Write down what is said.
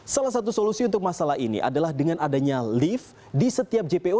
salah satu solusi untuk masalah ini adalah dengan adanya lift di setiap jpo